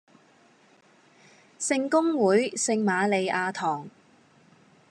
聖公會聖馬利亞堂